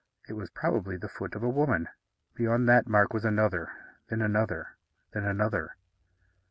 It was probably the foot of a woman. Beyond that mark was another, then another, then another.